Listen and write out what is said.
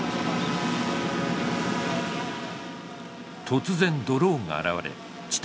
突然ドローンが現れ地